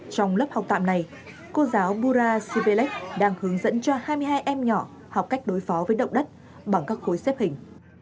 trong lớp học tạm này cô giáo bura sipelles đang hướng dẫn cho hai mươi hai em nhỏ học cách đối phó với động đất bằng các khối xếp hình